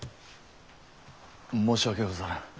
申し訳ござらん。